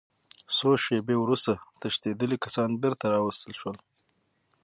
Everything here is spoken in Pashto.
څو شېبې وروسته تښتېدلي کسان بېرته راوستل شول